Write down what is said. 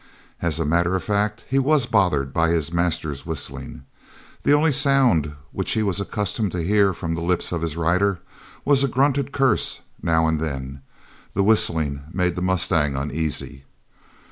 As a matter of fact he was bothered by his master's whistling. The only sound which he was accustomed to hear from the lips of his rider was a grunted curse now and then. This whistling made the mustang uneasy.